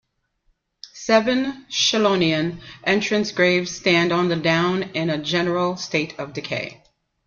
Seven Scillonian entrance graves stand on the down in a general state of decay.